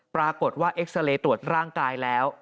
ปรากฏว่าเอ็กซาเรย์ตรวจร่างกายแล้ว